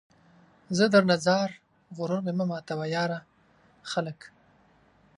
زه درنه ځار ، غرور مې مه ماتوه ، یاره ! خلک